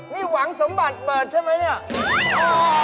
นี่หวังสมบัติเบิร์ตใช่ไหมนี่